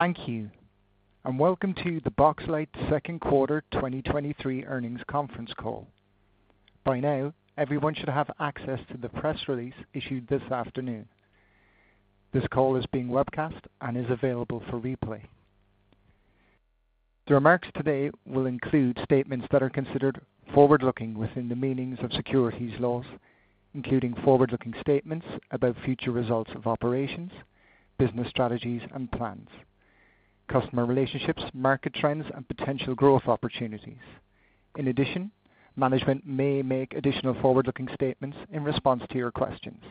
Thank you, and welcome to the Boxlight Second Quarter 2023 Earnings Conference Call. By now, everyone should have access to the press release issued this afternoon. This call is being webcast and is available for replay. The remarks today will include statements that are considered forward-looking within the meanings of securities laws, including forward-looking statements about future results of operations, business strategies and plans, customer relationships, market trends, and potential growth opportunities. In addition, management may make additional forward-looking statements in response to your questions.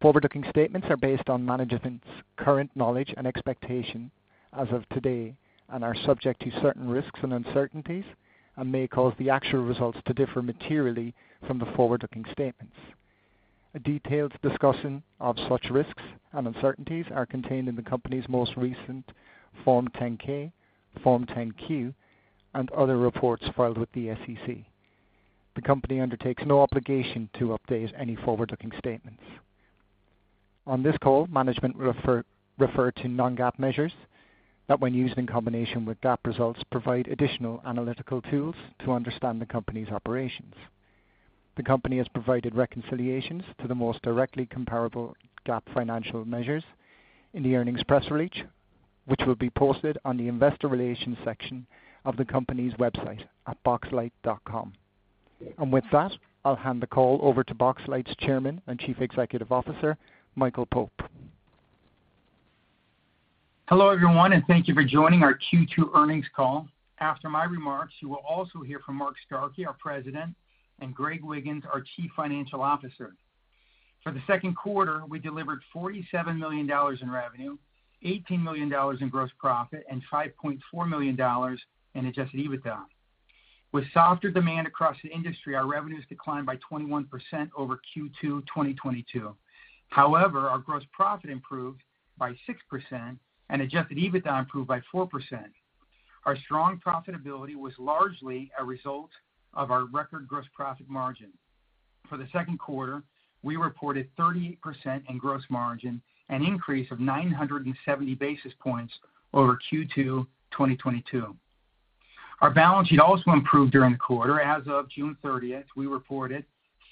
Forward-looking statements are based on management's current knowledge and expectation as of today and are subject to certain risks and uncertainties and may cause the actual results to differ materially from the forward-looking statements. A detailed discussion of such risks and uncertainties are contained in the company's most recent Form 10-K, Form 10-Q, and other reports filed with the SEC. The company undertakes no obligation to update any forward-looking statements. On this call, management will refer to non-GAAP measures that, when used in combination with GAAP results, provide additional analytical tools to understand the company's operations. The company has provided reconciliations to the most directly comparable GAAP financial measures in the earnings press release, which will be posted on the investor relations section of the company's website at boxlight.com. With that, I'll hand the call over to Boxlight's Chairman and Chief Executive Officer, Michael Pope. Hello, everyone, thank you for joining our Q2 earnings call. After my remarks, you will also hear from Mark Starkey, our President, and Greg Wiggins, our Chief Financial Officer. For the second quarter, we delivered $47 million in revenue, $18 million in gross profit, and $5.4 million in Adjusted EBITDA. With softer demand across the industry, our revenues declined by 21% over Q2 2022. However, our gross profit improved by 6%, and Adjusted EBITDA improved by 4%. Our strong profitability was largely a result of our record gross profit margin. For the second quarter, we reported 38% in gross margin, an increase of 970 basis points over Q2 2022. Our balance sheet also improved during the quarter. As of June 30th, we reported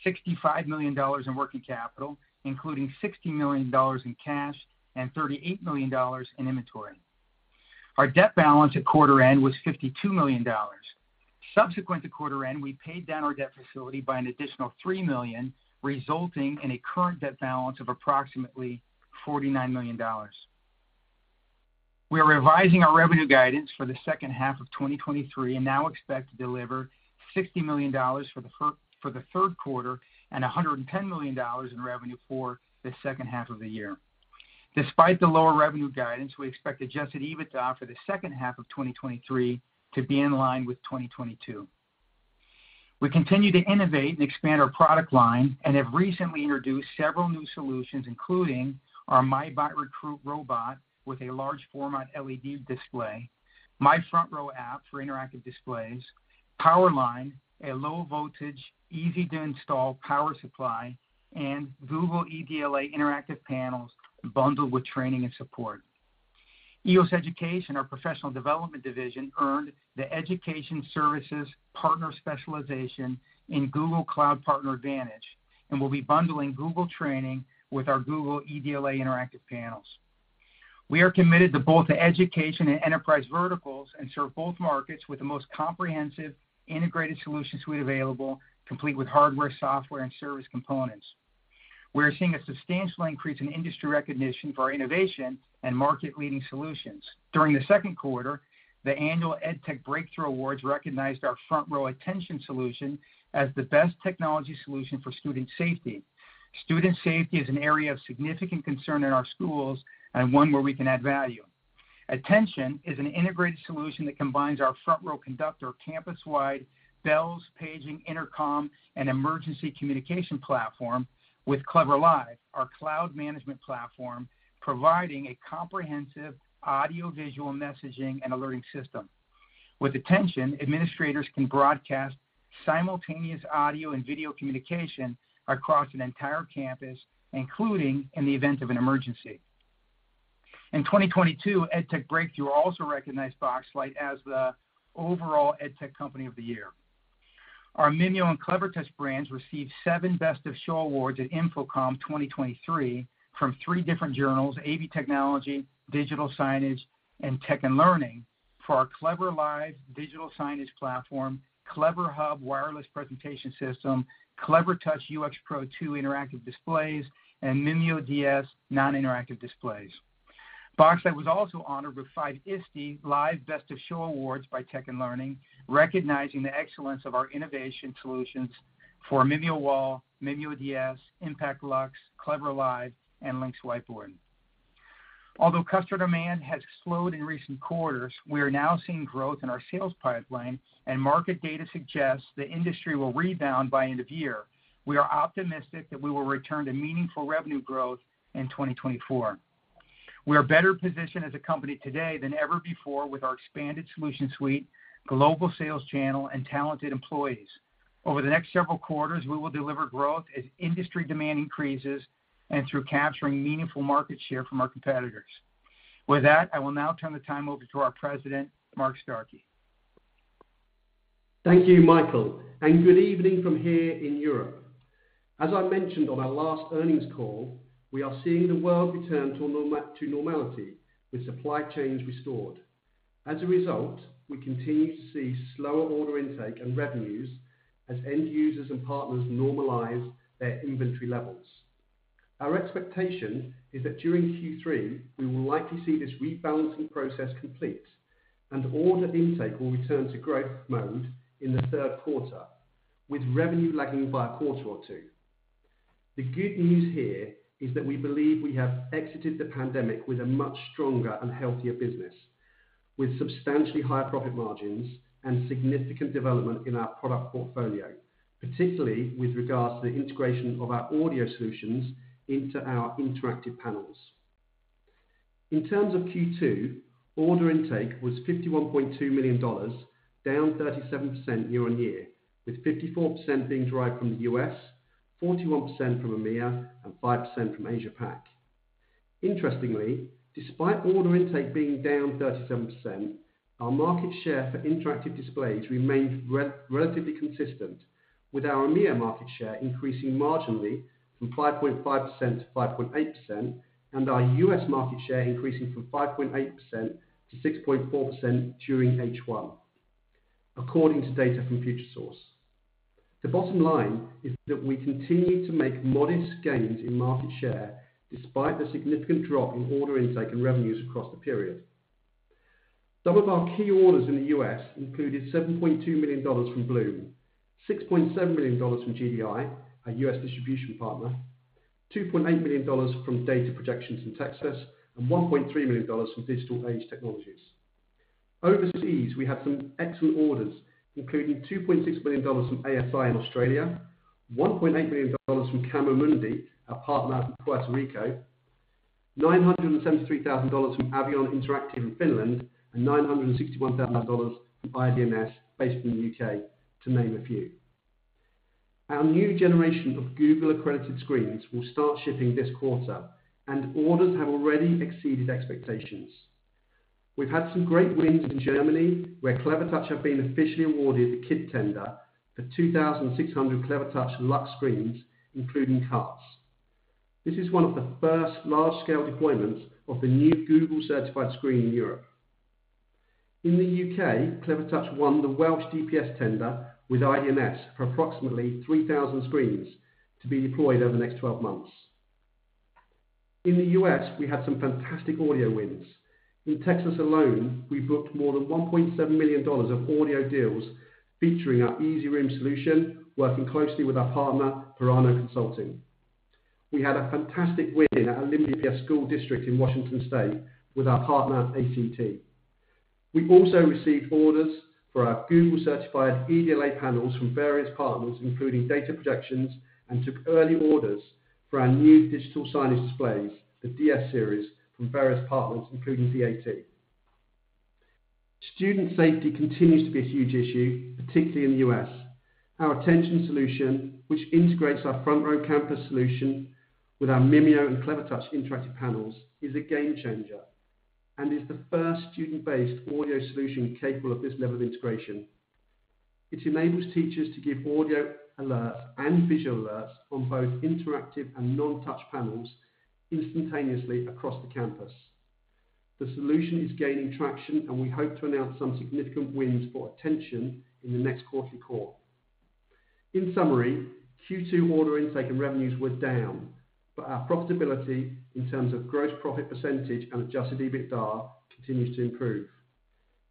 $65 million in working capital, including $16 million in cash and $38 million in inventory. Our debt balance at quarter end was $52 million. Subsequent to quarter end, we paid down our debt facility by an additional $3 million, resulting in a current debt balance of approximately $49 million. We are revising our revenue guidance for the second half of 2023 and now expect to deliver $60 million for the third quarter and $110 million in revenue for the second half of the year. Despite the lower revenue guidance, we expect Adjusted EBITDA for the second half of 2023 to be in line with 2022. We continue to innovate and expand our product line and have recently introduced several new solutions, including our MyBot Recruit robot with a large format LED display, MyFrontRow app for interactive displays, PowerLine, a low voltage, easy-to-install power supply, and Google EDLA interactive panels bundled with training and support. EOS Education, our professional development division, earned the Education Services Partner Specialization in Google Cloud Partner Advantage, and will be bundling Google training with our Google EDLA interactive panels. We are committed to both the education and enterprise verticals and serve both markets with the most comprehensive integrated solutions suite available, complete with hardware, software, and service components. We are seeing a substantial increase in industry recognition for our innovation and market-leading solutions. During the second quarter, the annual EdTech Breakthrough Awards recognized our FrontRow Attention! solution as the best technology solution for student safety. Student safety is an area of significant concern in our schools and one where we can add value. Attention! is an integrated solution that combines our FrontRow Conductor campus-wide bells, paging, intercom, and emergency communication platform with CleverLive, our cloud management platform, providing a comprehensive audiovisual messaging and alerting system. With Attention!, administrators can broadcast simultaneous audio and video communication across an entire campus, including in the event of an emergency. In 2022, EdTech Breakthrough also recognized Boxlight as the overall EdTech Company of the Year. Our Mimio and Clevertouch brands received seven Best of Show awards at InfoComm 2023 from three different journals, AV Technology, Digital Signage, and Tech & Learning, for our CleverLive digital signage platform, CleverHub wireless presentation system, Clevertouch UX Pro 2 interactive displays, and Mimio DS non-interactive displays. Boxlight was also honored with five ISTELive Best of Show awards by Tech & Learning, recognizing the excellence of our Innovation solutions for MimioWall, Mimio DS, IMPACT Lux, CleverLive, and LYNX Whiteboard. Although customer demand has slowed in recent quarters, we are now seeing growth in our sales pipeline, and market data suggests the industry will rebound by end of year. We are optimistic that we will return to meaningful revenue growth in 2024. We are better positioned as a company today than ever before with our expanded solution suite, global sales channel, and talented employees. Over the next several quarters, we will deliver growth as industry demand increases and through capturing meaningful market share from our competitors. With that, I will now turn the time over to our President Mark Starkey. Thank you, Michael, and good evening from here in Europe. As I mentioned on our last earnings call, we are seeing the world return to normality, with supply chains restored. As a result, we continue to see slower order intake and revenues as end users and partners normalize their inventory levels. Our expectation is that during Q3, we will likely see this rebalancing process complete, and order intake will return to growth mode in the third quarter, with revenue lagging by a quarter or two. The good news here is that we believe we have exited the pandemic with a much stronger and healthier business, with substantially higher profit margins and significant development in our product portfolio, particularly with regards to the integration of our Audio solutions into our interactive panels. In terms of Q2, order intake was $51.2 million, down 37% year on year, with 54% being derived from the U.S., 41% from EMEA, and 5% from Asia Pac. Interestingly, despite order intake being down 37%, our market share for interactive displays remained relatively consistent, with our EMEA market share increasing marginally from 5.5% to 5.8%, and our U.S. market share increasing from 5.8% to 6.4% during H1, according to data from Futuresource. The bottom line is that we continue to make modest gains in market share despite the significant drop in order intake and revenues across the period. Some of our key orders in the U.S. included $7.2 million from Bluum, $6.7 million from GDI, our U.S. distribution partner, $2.8 million from Data Projections in Texas, and $1.3 million from Digital Age Technologies. Overseas, we had some excellent orders, including $2.6 million from ASI in Australia, $1.8 million from Camera Mundi, our partner out in Puerto Rico, $973,000 from Avion Interactive in Finland, and $961,000 from IDNS, based in the U.K., to name a few. Our new generation of Google-accredited screens will start shipping this quarter, and orders have already exceeded expectations. We've had some great wins in Germany, where Clevertouch have been officially awarded the KIT tender for 2,600 Clevertouch Lux screens, including HATs. This is one of the first large-scale deployments of the new Google-certified screen in Europe. In the U.K., Clevertouch won the Welsh DPS tender with IDNS for approximately 3,000 screens to be deployed over the next 12 months. In the U.S., we had some fantastic audio wins. In Texas alone, we booked more than $1.7 million of audio deals featuring our ezRoom solution, working closely with our partner, Piraino Consulting. We had a fantastic win at Olympia School District in Washington State with our partner, AT&T. We also received orders for our Google-certified EDLA panels from various partners, including Data Projections, took early orders for our new digital signage displays, the DS Series, from various partners, including DAT. Student safety continues to be a huge issue, particularly in the U.S. Our Attention! solution, which integrates our FrontRow Campus solution with our Mimio and Clevertouch interactive panels, is a game changer and is the first student-based audio solution capable of this level of integration. It enables teachers to give audio alerts and visual alerts on both interactive and non-touch panels instantaneously across the campus. The solution is gaining traction, and we hope to announce some significant wins for Attention! in the next quarterly call. In summary, Q2 order intake and revenues were down, but our profitability in terms of gross profit percentage and Adjusted EBITDA continues to improve.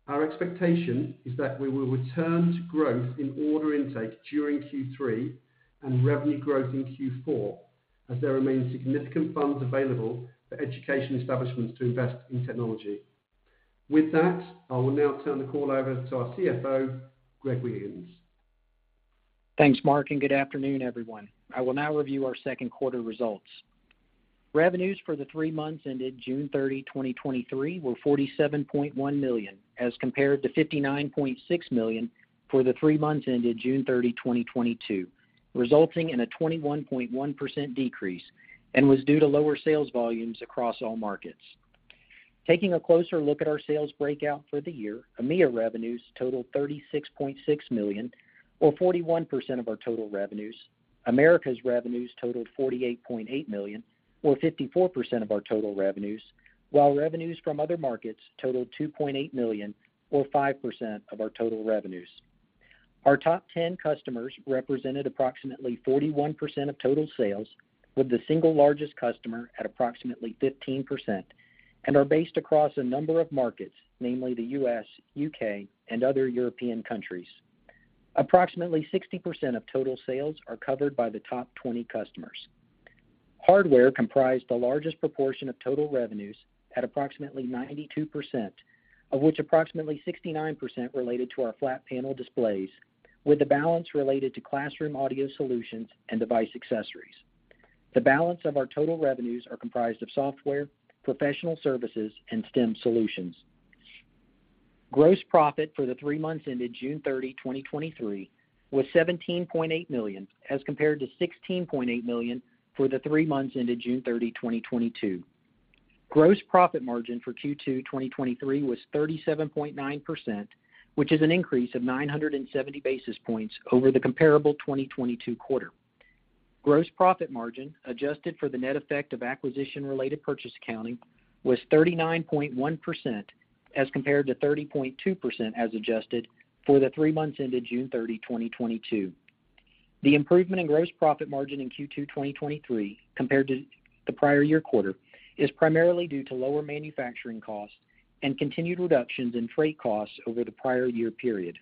Our expectation is that we will return to growth in order intake during Q3 and revenue growth in Q4, as there remain significant funds available for education establishments to invest in technology. With that, I will now turn the call over to our CFO, Greg Wiggins. Thanks, Mark, good afternoon, everyone. I will now review our second quarter results. Revenues for the three months ended June 30, 2023, were $47.1 million, as compared to $59.6 million for the three months ended June 30, 2022, resulting in a 21.1% decrease and was due to lower sales volumes across all markets. Taking a closer look at our sales breakout for the year, EMEA revenues totaled $36.6 million, or 41% of our total revenues. Americas revenues totaled $48.8 million, or 54% of our total revenues, while revenues from other markets totaled $2.8 million, or 5% of our total revenues. Our top 10 customers represented approximately 41% of total sales, with the single largest customer at approximately 15%, and are based across a number of markets, namely the U.S., U.K., and other European countries. Approximately 60% of total sales are covered by the top 20 customers. Hardware comprised the largest proportion of total revenues at approximately 92%, of which approximately 69% related to our flat panel displays, with the balance related to Classroom Audio solutions and device accessories. The balance of our total revenues are comprised of software, professional services, and STEM solutions. Gross profit for the three months ended June 30, 2023, was $17.8 million, as compared to $16.8 million for the three months ended June 30, 2022. Gross profit margin for Q2 2023 was 37.9%, which is an increase of 970 basis points over the comparable 2022 quarter. Gross profit margin, adjusted for the net effect of acquisition-related purchase accounting, was 39.1%, as compared to 30.2% as adjusted for the three months ended June 30, 2022. The improvement in gross profit margin in Q2 2023 compared to the prior year quarter is primarily due to lower manufacturing costs and continued reductions in freight costs over the prior year period.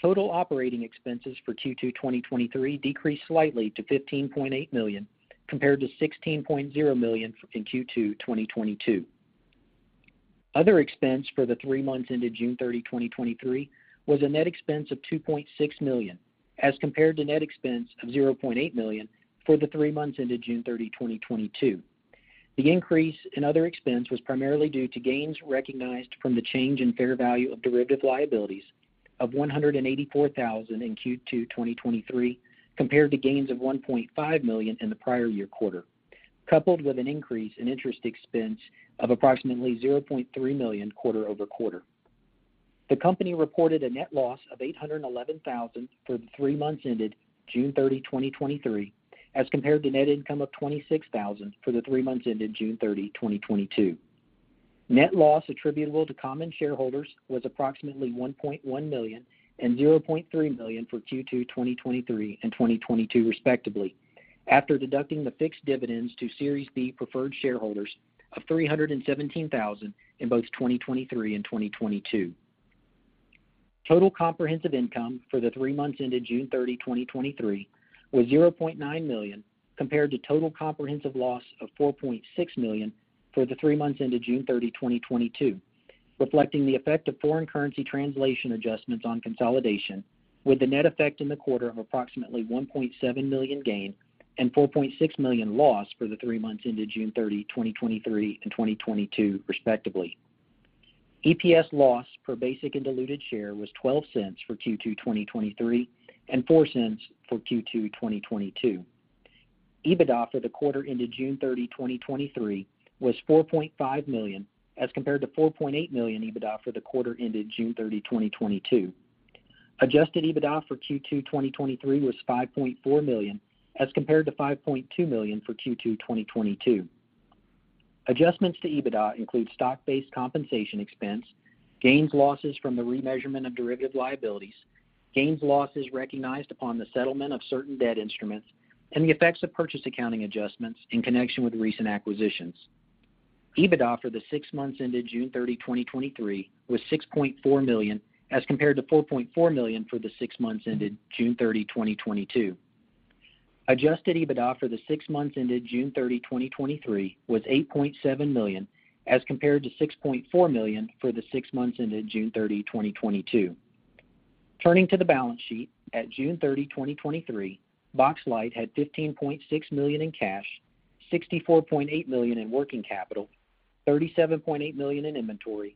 Total operating expenses for Q2 2023 decreased slightly to $15.8 million, compared to $16.0 million in Q2 2022. Other expense for the three months ended June 30, 2023, was a net expense of $2.6 million, as compared to net expense of $0.8 million for the three months ended June 30, 2022. The increase in other expense was primarily due to gains recognized from the change in fair value of derivative liabilities of $184,000 in Q2 2023, compared to gains of $1.5 million in the prior year quarter, coupled with an increase in interest expense of approximately $0.3 million quarter-over-quarter. The company reported a net loss of $811,000 for the three months ended June 30, 2023, as compared to net income of $26,000 for the three months ended June 30, 2022. Net loss attributable to common shareholders was approximately $1.1 million and $0.3 million for Q2 2023 and 2022, respectively, after deducting the fixed dividends to Series B preferred shareholders of $317,000 in both 2023 and 2022. Total comprehensive income for the three months ended June 30, 2023, was $0.9 million, compared to total comprehensive loss of $4.6 million for the three months ended June 30, 2022, reflecting the effect of foreign currency translation adjustments on consolidation, with the net effect in the quarter of approximately $1.7 million gain and $4.6 million loss for the three months ended June 30, 2023 and 2022, respectively. EPS loss per basic and diluted share was $0.12 for Q2 2023 and $0.04 for Q2 2022. EBITDA for the quarter ended June 30, 2023, was $4.5 million, as compared to $4.8 million EBITDA for the quarter ended June 30, 2022. Adjusted EBITDA for Q2 2023 was $5.4 million, as compared to $5.2 million for Q2 2022. Adjustments to EBITDA include stock-based compensation expense, gains/losses from the remeasurement of derivative liabilities, gains/losses recognized upon the settlement of certain debt instruments, and the effects of purchase accounting adjustments in connection with recent acquisitions. EBITDA for the six months ended June 30, 2023, was $6.4 million, as compared to $4.4 million for the six months ended June 30, 2022. Adjusted EBITDA for the six months ended June 30, 2023, was $8.7 million, as compared to $6.4 million for the six months ended June 30, 2022. Turning to the balance sheet, at June 30, 2023, Boxlight had $15.6 million in cash, $64.8 million in working capital, $37.8 million in inventory,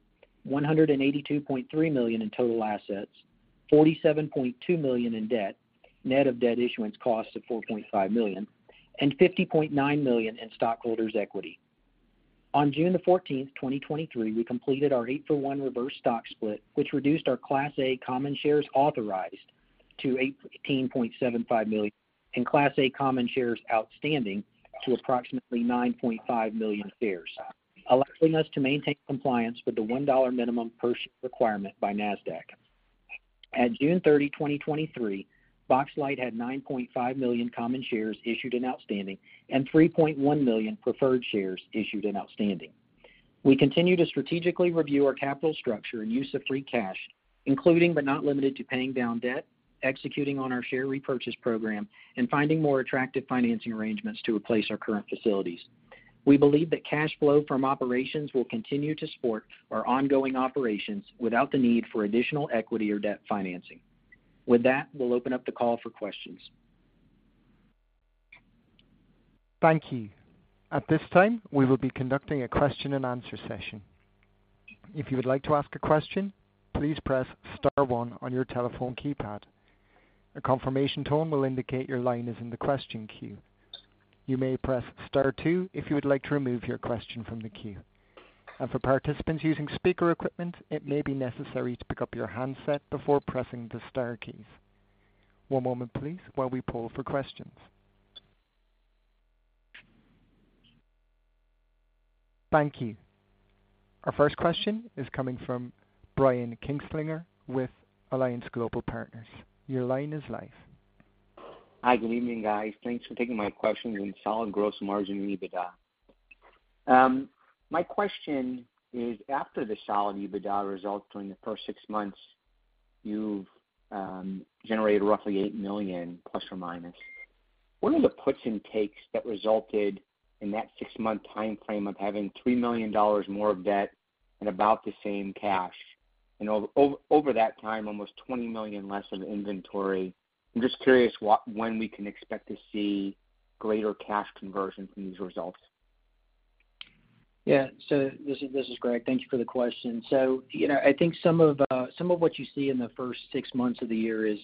$182.3 million in total assets, $47.2 million in debt, net of debt issuance costs of $4.5 million, and $50.9 million in stockholders' equity. On June 14, 2023, we completed our 8-for-1 reverse stock split, which reduced our Class A common shares authorized to 18.75 million and Class A common shares outstanding to approximately 9.5 million shares, allowing us to maintain compliance with the $1 minimum per share requirement by Nasdaq. At June 30, 2023, Boxlight had 9.5 million common shares issued and outstanding and 3.1 million preferred shares issued and outstanding. We continue to strategically review our capital structure and use of free cash, including but not limited to paying down debt, executing on our share repurchase program, and finding more attractive financing arrangements to replace our current facilities. We believe that cash flow from operations will continue to support our ongoing operations without the need for additional equity or debt financing. With that, we'll open up the call for questions. Thank you. At this time, we will be conducting a question-and-answer session. If you would like to ask a question, please press star one on your telephone keypad. A confirmation tone will indicate your line is in the question queue. You may press star two if you would like to remove your question from the queue. For participants using speaker equipment, it may be necessary to pick up your handset before pressing the star keys. One moment please while we poll for questions. Thank you. Our first question is coming from Brian Kinstlinger with Alliance Global Partners. Your line is live. Hi, good evening, guys. Thanks for taking my questions on solid gross margin and EBITDA. My question is, after the solid EBITDA results during the first six months, you've generated roughly $8 million, ±. What are the puts and takes that resulted in that six-month time frame of having $3 million more of debt and about the same cash? Over that time, almost $20 million less of inventory. I'm just curious when we can expect to see greater cash conversion from these results? Yeah. This is Greg. Thank you for the question. You know, I think some of what you see in the first 6 months of the year is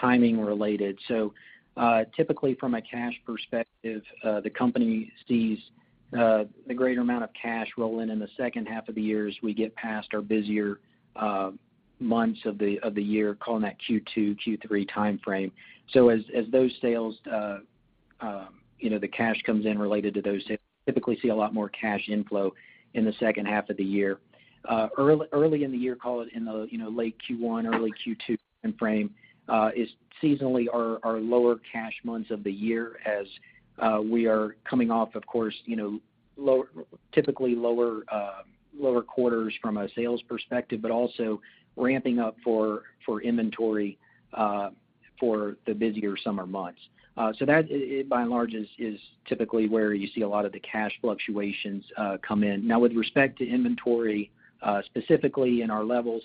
timing related. Typically, from a cash perspective, the company sees a greater amount of cash roll in in the second half of the year as we get past our busier months of the year, calling that Q2, Q3 time frame. As those sales, you know, the cash comes in related to those sales, typically see a lot more cash inflow in the second half of the year. Early, early in the year, call it in the, you know, late Q1, early Q2 time frame, is seasonally our, our lower cash months of the year as we are coming off, of course, you know, low- typically lower, lower quarters from a sales perspective, but also ramping up for, for inventory for the busier summer months. That, by and large, is, is typically where you see a lot of the cash fluctuations come in. Now, with respect to inventory specifically in our levels,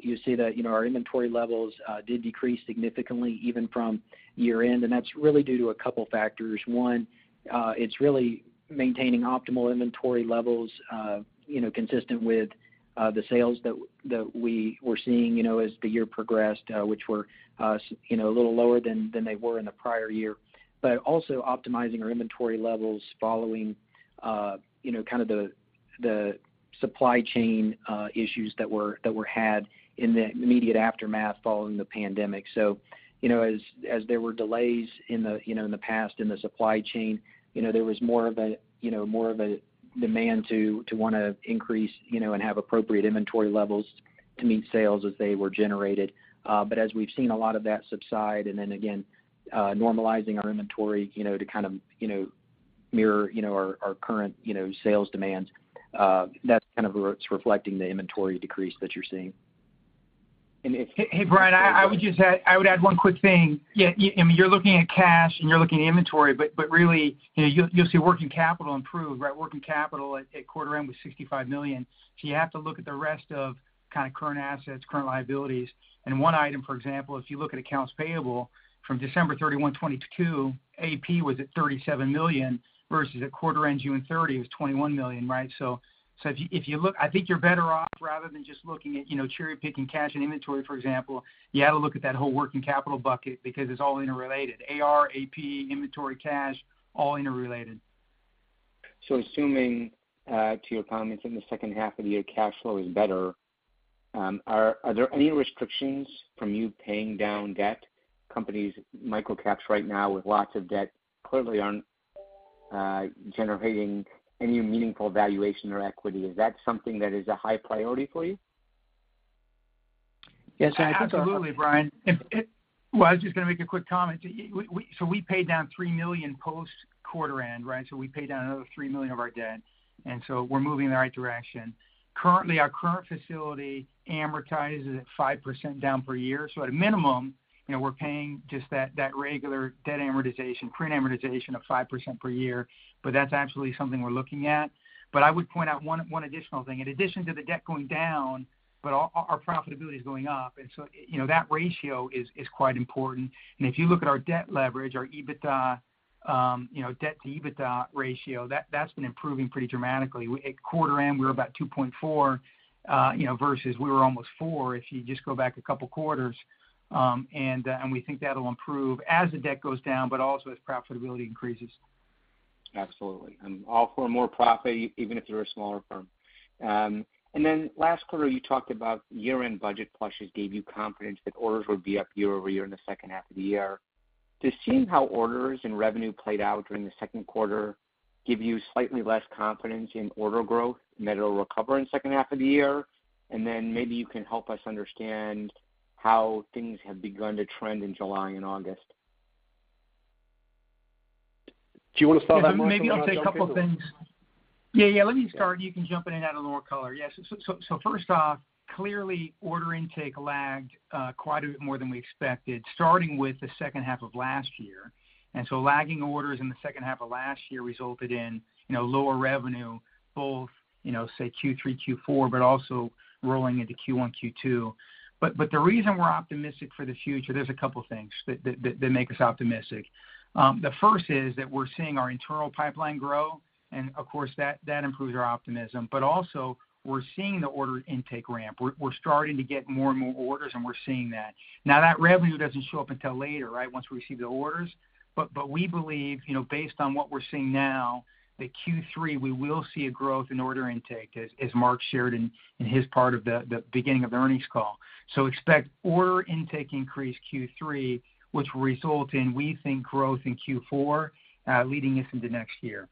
you see that, you know, our inventory levels did decrease significantly even from year-end, and that's really due to a couple factors. One, it's really maintaining optimal inventory levels, you know, consistent with the sales that we were seeing, you know, as the year progressed, which were, you know, a little lower than, than they were in the prior year. Also optimizing our inventory levels following, you know, kind of the, the supply chain, issues that were, that were had in the immediate aftermath following the pandemic. You know, as, as there were delays in the, you know, in the past in the supply chain, you know, there was more of a, you know, more of a demand to, to wanna increase, you know, and have appropriate inventory levels to meet sales as they were generated. As we've seen a lot of that subside, and then again, normalizing our inventory, you know, to kind of, you know, mirror, you know, our, our current, you know, sales demands, that's kind of where it's reflecting the inventory decrease that you're seeing. Hey, hey, Brian, I, I would just add, I would add one quick thing. Yeah, I mean, you're looking at cash, and you're looking at inventory, but really, you know, you'll, you'll see working capital improve, right? Working capital at, at quarter end was $65 million. You have to look at the rest of kind of current assets, current liabilities. One item, for example, if you look at accounts payable from December 31, 2022, AP was at $37 million, versus at quarter end, June 30, it was $21 million, right? So if you, if you look, I think you're better off, rather than just looking at, you know, cherry-picking cash and inventory, for example, you have to look at that whole working capital bucket because it's all interrelated. AR, AP, inventory, cash, all interrelated. Assuming, to your comments, in the second half of the year, cash flow is better, are, are there any restrictions from you paying down debt? Companies, micro caps right now with lots of debt clearly aren't, generating any meaningful valuation or equity. Is that something that is a high priority for you? Yes, I think so. Absolutely, Brian. It. Well, I was just going to make a quick comment. We, so we paid down $3 million post quarter end, right? We paid down another $3 million of our debt, and so we're moving in the right direction. Currently, our current facility amortizes at 5% down per year. At a minimum, you know, we're paying just that regular debt amortization, pre-amortization of 5% per year, but that's absolutely something we're looking at. I would point out one additional thing. In addition to the debt going down, but our profitability is going up, and so, you know, that ratio is quite important. If you look at our debt leverage, our EBITDA, you know, debt to EBITDA ratio, that's been improving pretty dramatically. At quarter end, we were about $2.4, you know, versus we were almost $4 if you just go back a couple quarters. We think that'll improve as the debt goes down, but also as profitability increases. Absolutely. I'm all for more profit, even if you're a smaller firm. Then last quarter, you talked about year-end budget plushes gave you confidence that orders would be up year-over-year in the second half of the year. Does seeing how orders and revenue played out during the second quarter give you slightly less confidence in order growth, and that it'll recover in the second half of the year? Then maybe you can help us understand how things have begun to trend in July and August. Do you want to start that, Mark? Maybe I'll say a couple of things. Yeah, yeah, let me start, and you can jump in and add a little more color. Yes. First off, clearly, order intake lagged quite a bit more than we expected, starting with the second half of last year. Lagging orders in the second half of last year resulted in, you know, lower revenue, both, you know, say Q3, Q4, but also rolling into Q1, Q2. The reason we're optimistic for the future, there's a couple things that, that, that make us optimistic. The first is that we're seeing our internal pipeline grow, and of course, that, that improves our optimism. Also, we're seeing the order intake ramp. We're, we're starting to get more and more orders, and we're seeing that. That revenue doesn't show up until later, right, once we receive the orders. We believe, you know, based on what we're seeing now, that Q3, we will see a growth in order intake, as Mark shared in his part of the beginning of the earnings call. Expect order intake increase Q3, which will result in, we think, growth in Q4, leading us into next year.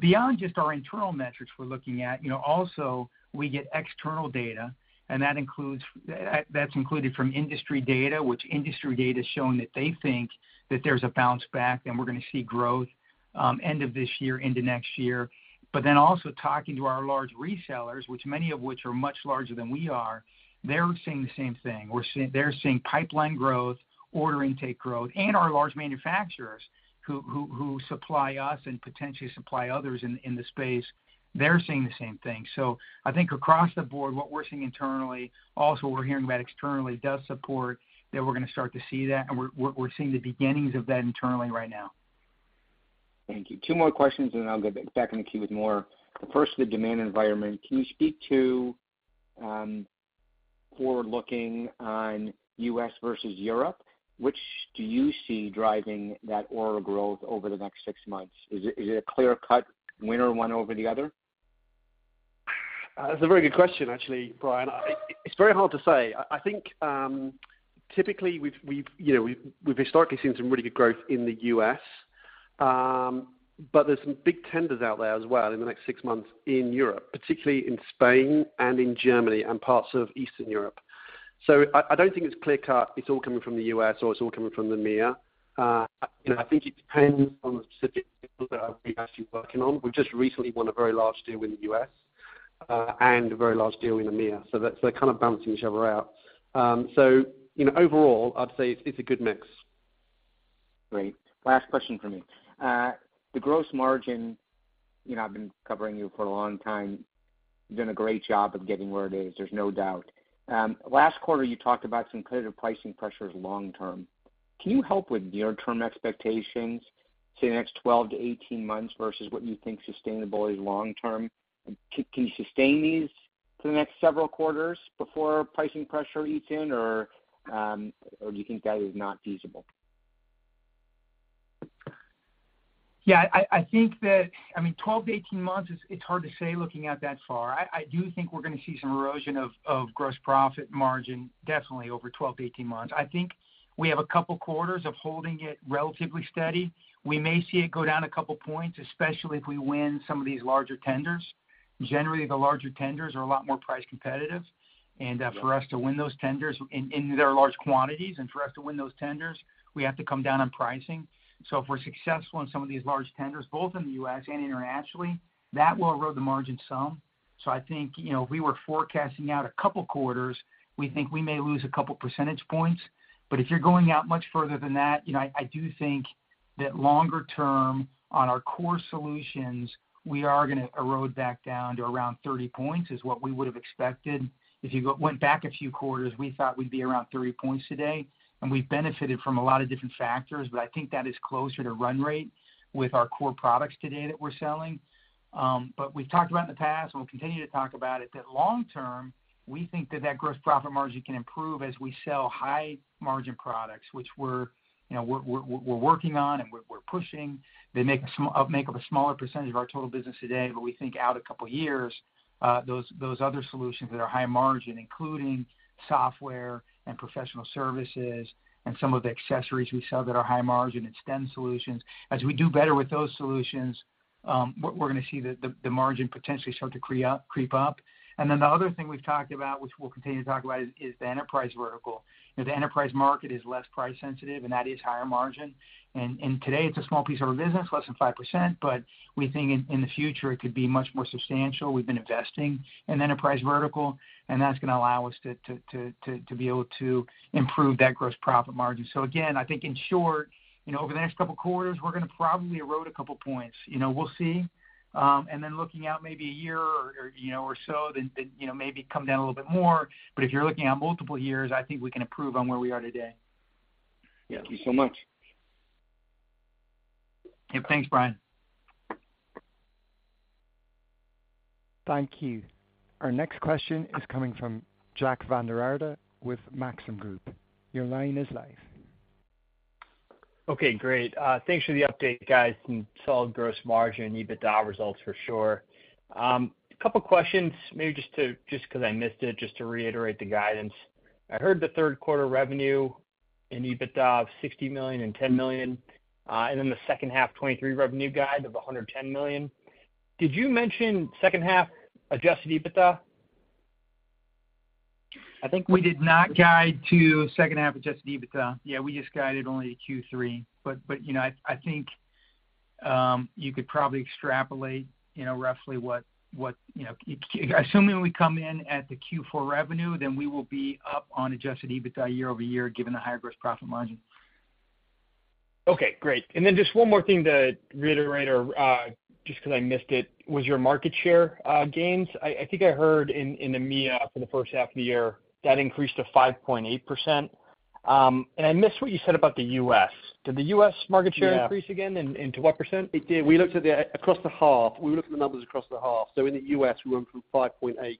Beyond just our internal metrics we're looking at, you know, also we get external data, and that includes that's included from industry data, which industry data has shown that they think that there's a bounce back and we're gonna see growth end of this year into next year. Also talking to our large resellers, which many of which are much larger than we are, they're saying the same thing. They're seeing pipeline growth, order intake growth, our large manufacturers who supply us and potentially supply others in the space, they're seeing the same thing. I think across the board, what we're seeing internally, also what we're hearing about externally, does support that we're gonna start to see that, and we're seeing the beginnings of that internally right now. Thank you. Two more questions, and then I'll get back in the queue with more. First, the demand environment. Can you speak to, forward looking on US versus Europe? Which do you see driving that overall growth over the next six months? Is it, is it a clear-cut winner, one over the other? That's a very good question, actually, Brian. It's very hard to say. I, I think, typically, we've, we've, you know, we've, we've historically seen some really good growth in the U.S., but there's some big tenders out there as well in the next six months in Europe, particularly in Spain and in Germany and parts of Eastern Europe. I, I don't think it's clear-cut, it's all coming from the U.S., or it's all coming from the EMEA. You know, I think it depends on the specific deals that we're actually working on. We've just recently won a very large deal in the U.S., and a very large deal in EMEA, so that's kind of balancing each other out. You know, overall, I'd say it's a good mix. Great. Last question for me. The gross margin, you know, I've been covering you for a long time. You've done a great job of getting where it is, there's no doubt. Last quarter, you talked about some creative pricing pressures long term. Can you help with near-term expectations, say, the next 12 to 18 months versus what you think sustainable is long term? Can you sustain these for the next several quarters before pricing pressure eats in, or, or do you think that is not feasible? Yeah, I, I think that, I mean, 12-18 months, it's hard to say looking out that far. I, I do think we're going to see some erosion of, of gross profit margin definitely over 12-18 months. I think we have a couple quarters of holding it relatively steady. We may see it go down a couple points, especially if we win some of these larger tenders. Generally, the larger tenders are a lot more price competitive, and for us to win those tenders, and, and they're large quantities, and for us to win those tenders, we have to come down on pricing. If we're successful in some of these large tenders, both in the U.S. and internationally, that will erode the margin some. I think, you know, if we were forecasting out a couple quarters, we think we may lose a couple percentage points. If you're going out much further than that, you know, I, I do think that longer term, on our Core solutions, we are gonna erode back down to around 30 points, is what we would have expected. If you went back a few quarters, we thought we'd be around 3 points today, and we've benefited from a lot of different factors, but I think that is closer to run rate with our core products today that we're selling. But we've talked about in the past, and we'll continue to talk about it, that long term, we think that that gross profit margin can improve as we sell high-margin products, which we're, you know, we're, we're, we're working on and we're, we're pushing. They make up a smaller percentage of our total business today, but we think out a couple of years, those, those other solutions that are high margin, including software and professional services and some of the accessories we sell that are high margin extend solutions. As we do better with those solutions, what we're gonna see the, the margin potentially start to creep up, creep up. The other thing we've talked about, which we'll continue to talk about, is, is the enterprise vertical. The enterprise market is less price sensitive, and that is higher margin. Today it's a small piece of our business, less than 5%, but we think in, in the future it could be much more substantial. We've been investing in enterprise vertical, that's gonna allow us to be able to improve that gross profit margin. Again, I think in short, you know, over the next couple of quarters, we're gonna probably erode a couple points. You know, we'll see. Then looking out maybe a year or, or you know, or so, then, you know, maybe come down a little bit more. If you're looking out multiple years, I think we can improve on where we are today. Thank you so much. Yeah, thanks, Brian. Thank you. Our next question is coming from Jack Vander Aarde with Maxim Group. Your line is live. Okay, great. Thanks for the update, guys, and solid gross margin, EBITDA results for sure. A couple of questions, maybe just because I missed it, just to reiterate the guidance. I heard the third quarter revenue and EBITDA of $60 million and $10 million, and then the second half, 2023 revenue guide of $110 million. Did you mention second half Adjusted EBITDA? I think we did not guide to second half Adjusted EBITDA. Yeah, we just guided only to Q3. But, you know, I, I think, you could probably extrapolate, you know, roughly what, what, you know. Assuming we come in at the Q4 revenue, then we will be up on Adjusted EBITDA year-over-year, given the higher gross profit margin. Okay, great. Just one more thing to reiterate, or, just because I missed it, was your market share gains. I think I heard in the EMEA for the first half of the year, that increased to 5.8%. I missed what you said about the U.S. Did the U.S. market share increase again, and to what percent? It did. We looked at across the half. We looked at the numbers across the half. In the U.S., we went from $5.8 million-$6.4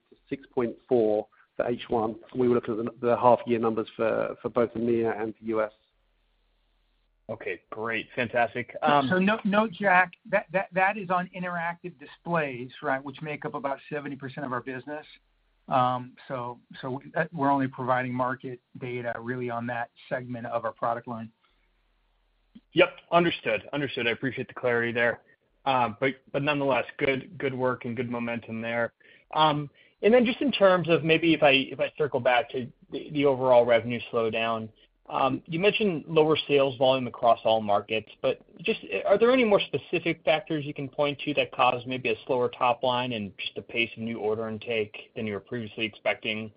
million for H1. We looked at the half year numbers for both EMEA and the U.S. Okay, great. Fantastic. Note, Jack, that is on interactive displays, right, which make up about 70% of our business. So we're only providing market data really on that segment of our product line. Yep, understood. Understood. I appreciate the clarity there. Nonetheless, good, good work and good momentum there. Then just in terms of maybe if I, if I circle back to the, the overall revenue slowdown, you mentioned lower sales volume across all markets, but just, are there any more specific factors you can point to that caused maybe a slower top line and just the pace of new order intake than you were previously expecting?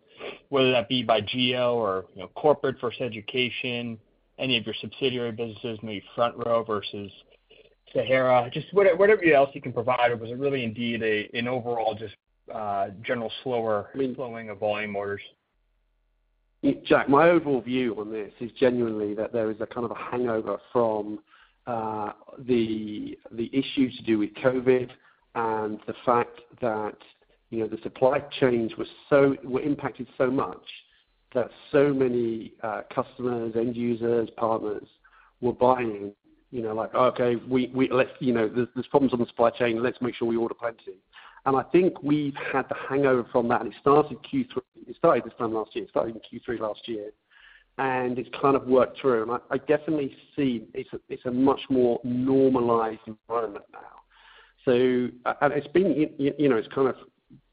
Whether that be by geo or, you know, corporate versus education, any of your subsidiary businesses, maybe FrontRow versus Sahara. Just what, whatever else you can provide, or was it really indeed a, an overall just, general slower flowing of volume orders? Jack, my overall view on this is genuinely that there is a kind of a hangover from the issues to do with COVID and the fact that, you know, the supply chains were impacted so much that so many customers, end users, partners were buying, you know, like, "Okay, Let's, you know, there's, there's problems on the supply chain. Let's make sure we order plenty." I think we've had the hangover from that, and it started Q3. It started this time last year. It started in Q3 last year, and it's kind of worked through. I, I definitely see it's a, it's a much more normalized environment now. It's been, you, you know, it's kind of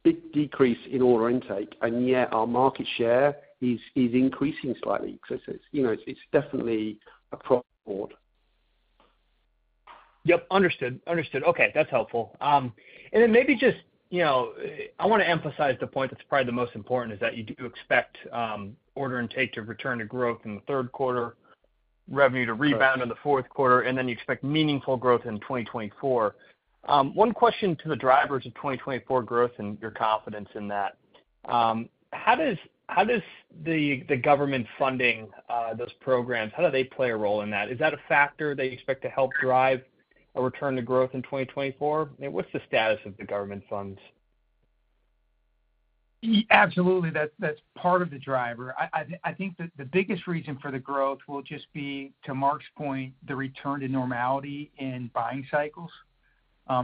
big decrease in order intake, and yet our market share is, is increasing slightly. It's, you know, it's definitely across the board. Yep, understood. Understood. Okay, that's helpful. And then maybe just, you know, I wanna emphasize the point that's probably the most important, is that you do expect order intake to return to growth in the third quarter, revenue to rebound in the fourth quarter, and then you expect meaningful growth in 2024. One question to the drivers of 2024 growth and your confidence in that. How does, how does the government funding, those programs, how do they play a role in that? Is that a factor that you expect to help drive a return to growth in 2024? What's the status of the government funds? Absolutely, that's, that's part of the driver. I, I, I think the, the biggest reason for the growth will just be, to Mark's point, the return to normality in buying cycles.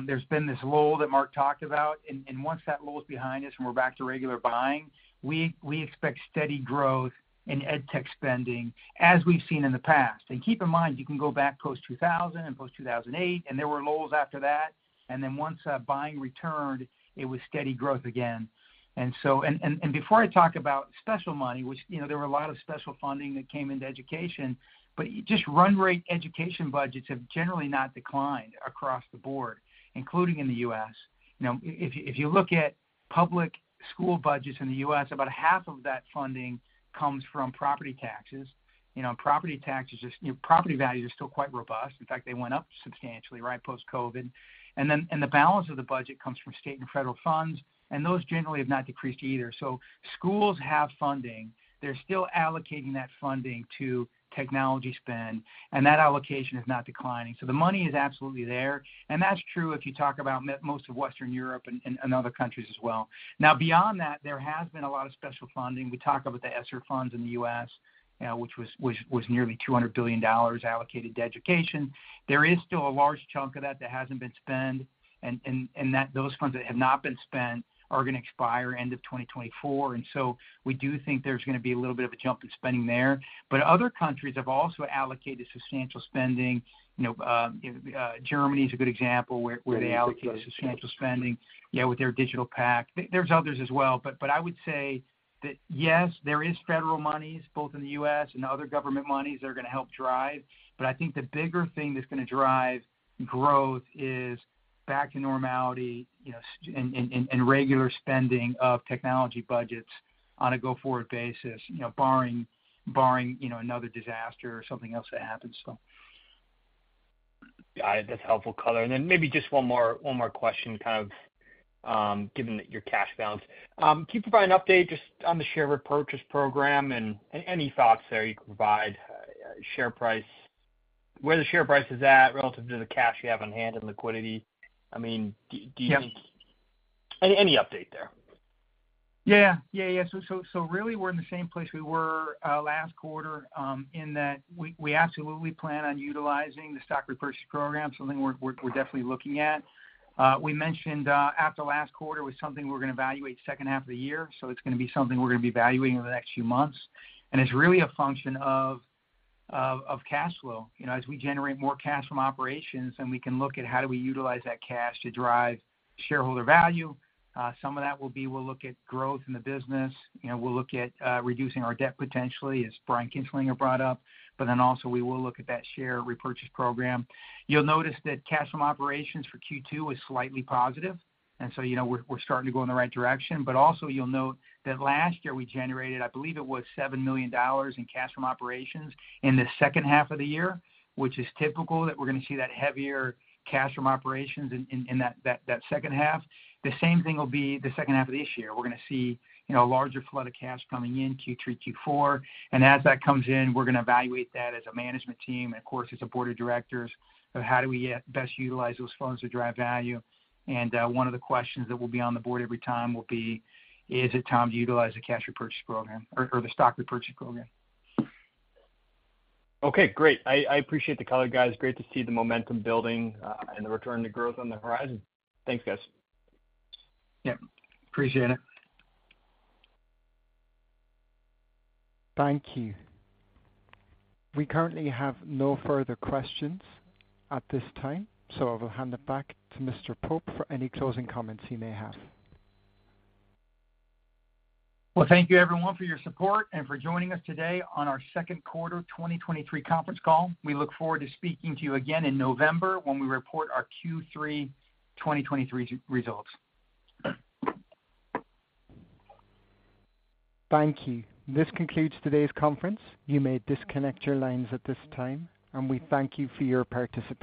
There's been this lull that Mark talked about, and once that lull is behind us and we're back to regular buying, we expect steady growth in EdTech spending, as we've seen in the past. Keep in mind, you can go back post-2000 and post-2008, and there were lulls after that, and then once buying returned, it was steady growth again. Before I talk about special money, which, you know, there were a lot of special funding that came into education, but just run rate education budgets have generally not declined across the board, including in the U.S. You know, if you look at public school budgets in the U.S., about half of that funding comes from property taxes. You know, property taxes, you know, property values are still quite robust. In fact, they went up substantially, right? Post-COVID. The balance of the budget comes from state and federal funds, and those generally have not decreased either. Schools have funding. They're still allocating that funding to technology spend, and that allocation is not declining. The money is absolutely there, and that's true if you talk about most of Western Europe and other countries as well. Now, beyond that, there has been a lot of special funding. We talk about the ESSER funds in the U.S., which was nearly $200 billion allocated to education. There is still a large chunk of that that hasn't been spent, and that, those funds that have not been spent are gonna expire end of 2024. We do think there's gonna be a little bit of a jump in spending there. Other countries have also allocated substantial spending. You know, Germany is a good example, where they allocated- Yeah. substantial spending, yeah, with their Digital Pact. There's others as well, but, but I would say that, yes, there is federal monies, both in the U.S., and other government monies that are gonna help drive, but I think the bigger thing that's gonna drive growth is back to normality, you know, and, and, and regular spending of technology budgets on a go-forward basis. You know, barring, barring, you know, another disaster or something else that happens, so. Yeah, that's helpful color. Then maybe just one more, one more question, given that your cash balance. Can you provide an update just on the share repurchase program? Any thoughts there you can provide, share price, where the share price is at relative to the cash you have on hand and liquidity? I mean, do you think- Yeah. Any update there? Yeah. Yeah, yeah. Really, we're in the same place we were last quarter, in that we, we absolutely plan on utilizing the stock repurchase program, something we're, we're, we're definitely looking at. We mentioned at the last quarter was something we're gonna evaluate second half of the year, so it's gonna be something we're gonna be evaluating over the next few months. It's really a function of cash flow. You know, as we generate more cash from operations, then we can look at how do we utilize that cash to drive shareholder value. Some of that will be, we'll look at growth in the business. You know, we'll look at reducing our debt potentially, as Brian Kinstlinger brought up. Also, we will look at that share repurchase program. You'll notice that cash from operations for Q2 was slightly positive, and so, you know, we're, we're starting to go in the right direction. Also, you'll note that last year, we generated, I believe it was $7 million in cash from operations in the second half of the year, which is typical, that we're gonna see that heavier cash from operations in, in, in that, that, that second half. The same thing will be the second half of this year. We're gonna see, you know, a larger flow of cash coming in Q3, Q4, and as that comes in, we're gonna evaluate that as a management team and, of course, as a board of directors, of how do we best utilize those funds to drive value. One of the questions that will be on the board every time will be: Is it time to utilize the cash repurchase program or, or the stock repurchase program? Okay, great. I, I appreciate the color, guys. Great to see the momentum building, and the return to growth on the horizon. Thanks, guys. Yep, appreciate it. Thank you. We currently have no further questions at this time, so I will hand it back to Mr. Pope for any closing comments he may have. Well, thank you everyone for your support and for joining us today on our second quarter 2023 conference call. We look forward to speaking to you again in November, when we report our Q3 2023 results. Thank you. This concludes today's conference. You may disconnect your lines at this time, and we thank you for your participation.